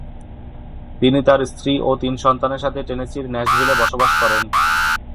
তিনি তার স্ত্রী ও তিন সন্তানের সাথে টেনেসির ন্যাশভিলে বসবাস করেন।